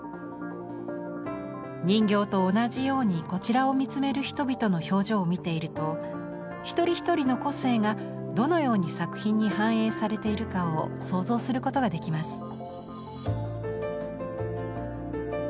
人形と同じようにこちらを見つめる人々の表情を見ていると一人一人の個性がどのように作品に反映されているかを想像することができます。